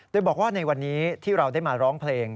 โดยบอกว่าในวันนี้ที่เราได้มาร้องเพลง